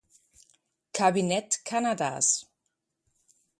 Kabinett Kanadas.